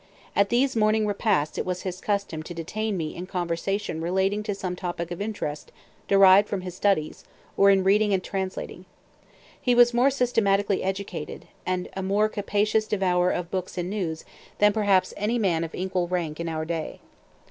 At these morning repasts it was his custom to detain me in conversation relating to some topic of interest derived from his studies, or in reading or translating. He was more systematically educated, and a more capacious devourer of books and news, than perhaps any man of equal rank in our day.